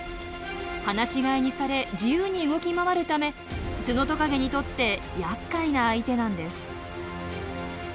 放し飼いにされ自由に動き回るためツノトカゲにとってやっかいな相手なんです。